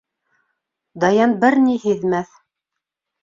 Даян бер ни һиҙмәҫ.